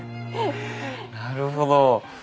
なるほど。